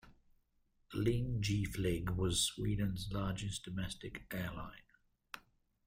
Linjeflyg was Sweden's largest domestic airline.